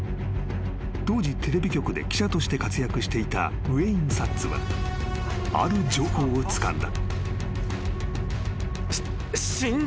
［当時テレビ局で記者として活躍していたウエイン・サッツはある情報をつかんだ］